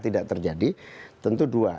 tidak terjadi tentu dua